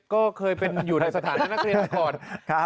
ก็เคยอยู่ในสถานที่นักเรียนก่อน